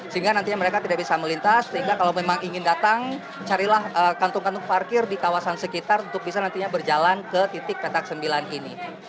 sehingga nantinya mereka tidak bisa melintas sehingga kalau memang ingin datang carilah kantung kantung parkir di kawasan sekitar untuk bisa nantinya berjalan ke titik petak sembilan ini